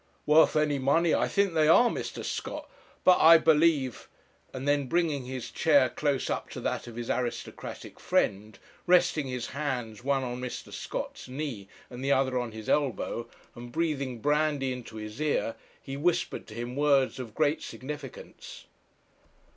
'Worth any money! I think they are, Mr. Scott, but I believe ' and then bringing his chair close up to that of his aristocratic friend, resting his hands, one on Mr. Scott's knee, and the other on his elbow, and breathing brandy into his ear, he whispered to him words of great significance.